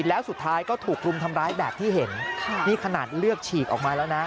แล้วสุดท้ายก็ถูกรุมทำร้ายแบบที่เห็นค่ะนี่ขนาดเลือดฉีกออกมาแล้วนะ